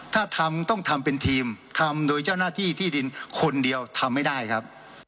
ถ้าทำต้องทำเป็นทีมทำโดยเจ้าหน้าที่ที่ดินคนเดียวทำไม่ได้ครับ